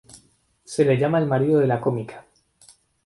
Se le llama el marido de la cómica.